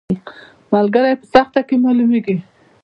ملګری په سخته کې معلومیږي